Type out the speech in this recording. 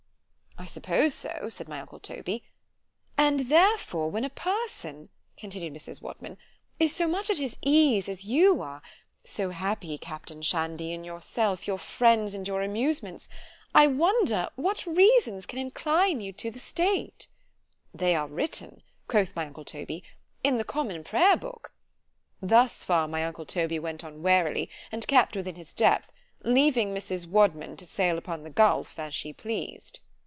I suppose so—said my uncle Toby: and therefore when a person, continued Mrs. Wadman, is so much at his ease as you are—so happy, captain Shandy, in yourself, your friends and your amusements—I wonder, what reasons can incline you to the state—— ——They are written, quoth my uncle Toby, in the Common Prayer Book. Thus far my uncle Toby went on warily, and kept within his depth, leaving Mrs. Wadman to sail upon the gulph as she pleased.